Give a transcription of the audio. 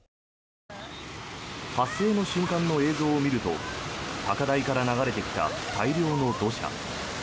発生の瞬間の映像を見ると高台から流れてきた大量の土砂。